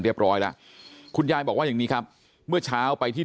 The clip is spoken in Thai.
ร้อยแล้วคุณยายบอกว่าอย่างนี้ครับเมื่อเช้าไปที่